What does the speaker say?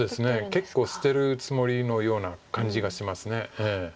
結構捨てるつもりのような感じがします。